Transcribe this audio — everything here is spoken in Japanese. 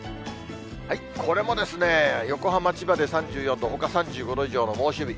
これもですね、横浜、千葉で３４度、ほかも３５度以上の猛暑日。